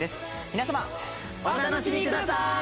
皆様お楽しみくださーい